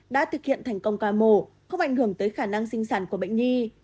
đã thực hiện thành công ca mổ không ảnh hưởng tới khả năng sinh sản của bệnh nhi